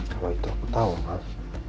kalau itu aku tau mak